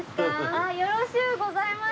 ああよろしゅうございます。